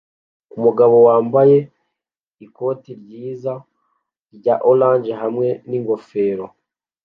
Umugabo wambaye ikoti ryiza rya orange hamwe n'ingofero